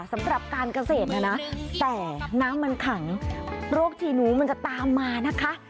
สำหรับการเกษตรนะนะแต่น้ำมันขังโรคชีหนูมันจะตามมานะคะ